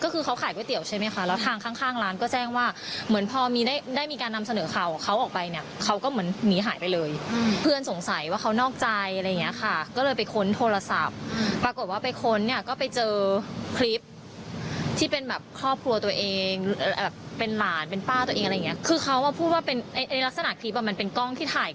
คือเขาพูดว่ารักษณะคลิปเป็นกล้องที่ถ่าย